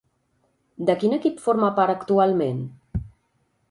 De quin equip forma part actualment?